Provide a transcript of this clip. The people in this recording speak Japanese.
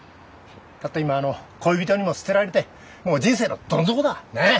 たった今あの恋人にも捨てられてもう人生のどん底だ。ねえ？